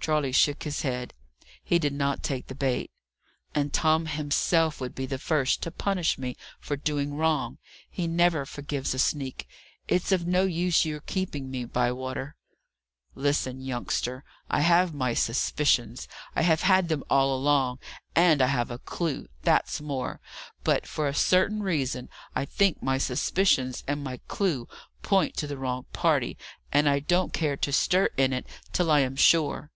Charley shook his head. He did not take the bait. "And Tom himself would be the first to punish me for doing wrong! He never forgives a sneak. It's of no use your keeping me, Bywater." "Listen, youngster. I have my suspicions; I have had them all along; and I have a clue that's more. But, for a certain reason, I think my suspicions and my clue point to the wrong party; and I don't care to stir in it till I am sure.